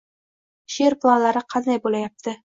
She’r planlari qalay bo‘layapti?